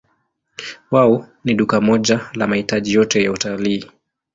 Wao ni duka moja la mahitaji yote ya utalii.